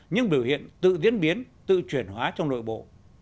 những biểu hiện tự diễn biến tự chuyển hóa trong nội bộ